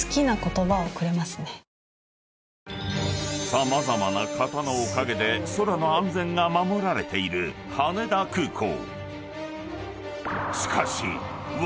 ［様々な方のおかげで空の安全が守られている羽田空港］